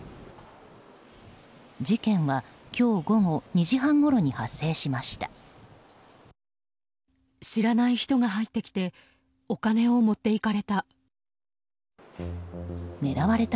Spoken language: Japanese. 事件は今日午後２時半ごろに発生しました。